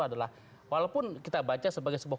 adalah walaupun kita baca sebagai sebuah